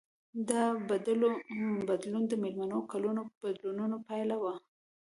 دا بدلون د میلیونونو کلونو بدلونونو پایله وه.